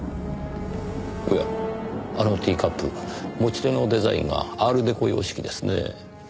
おやあのティーカップ持ち手のデザインがアールデコ様式ですねぇ。